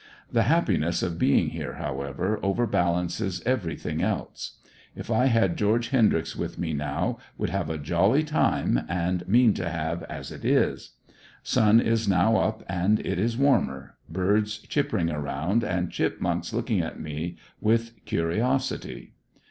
The happiness of being here, however, overbalances everything else. If I had George Hendryx with me now would have a jolly time, and mean to have as it is. Sun is now up and it is warmer; birds chippering around, and chipmunks looking at me with curiosity.